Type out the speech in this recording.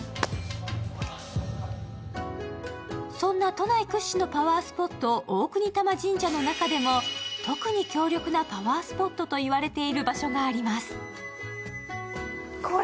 そんな都内屈指のパワースポット、大國魂神社の中でも特に強力なパワースポットと言われている場所があります。